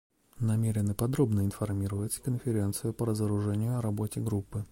Намерены подробно информировать Конференцию по разоружению о работе группы.